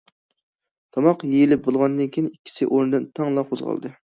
تاماق يېيىلىپ بولغاندىن كېيىن ئىككىسى ئورنىدىن تەڭلا قوزغالدى.